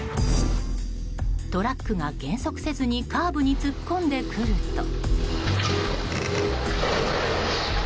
トラックが減速せずにカーブに突っ込んでくると。